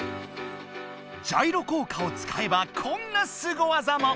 ジャイロ効果を使えばこんなスゴ技も。